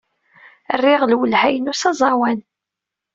Rriɣ lwelha-inu s aẓawan.